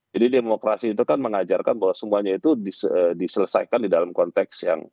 jadi demokrasi itu kan mengajarkan bahwa semuanya itu diselesaikan di dalam konteks yang berbeda